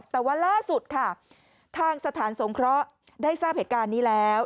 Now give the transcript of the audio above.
แต่ว่าล่าสุดค่ะทางสถานสงเคราะห์ได้ทราบเหตุการณ์นี้แล้ว